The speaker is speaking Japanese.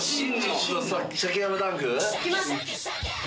いきます。